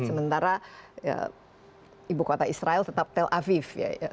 sementara ibu kota israel tetap tel aviv